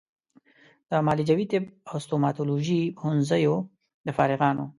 د معالجوي طب او ستوماتولوژي پوهنځیو د فارغانو